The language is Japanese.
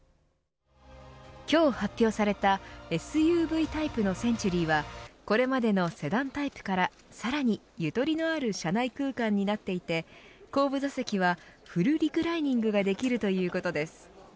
今日発表されたＳＵＶタイプのセンチュリーはこれまでのセダンタイプからさらにゆとりのある車内空間になっていて後部座席はフルリクライニングができるということです。